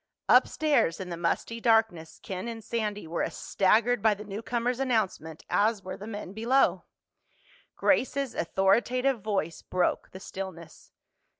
Upstairs, in the musty darkness, Ken and Sandy were as staggered by the newcomer's announcement as were the men below. Grace's authoritative voice broke the stillness.